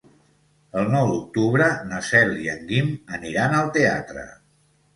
El nou d'octubre na Cel i en Guim aniran al teatre.